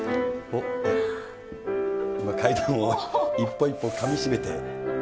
今、階段を一歩一歩かみしめて。